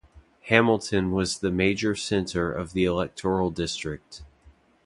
Hamilton was the major centre of the electoral district.